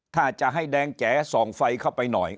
ถ้าจะให้แดงแจ๋ส่องไฟเข้าไปหน่อย